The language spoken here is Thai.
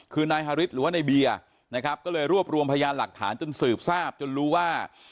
คือนายฮาริสหรือว่าในเบียร์นะครับก็เลยรวบรวมพยานหลักฐานจนสืบทราบจนรู้ว่า